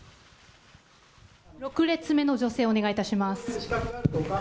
６列目の女性お願いします。